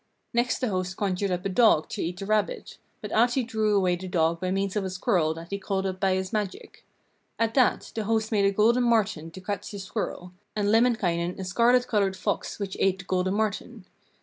Next the host conjured up a dog to eat the rabbit, but Ahti drew away the dog by means of a squirrel that he called up by his magic. At that the host made a golden marten to catch the squirrel, and Lemminkainen a scarlet coloured fox which ate the golden marten.